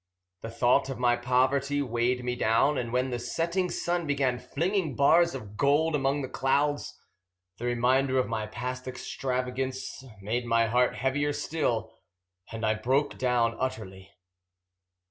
The thought of my poverty weighed me down; and when the setting sun began flinging bars of gold among the clouds, the reminder of my past extravagance made my heart heavier still, and I broke down utterly.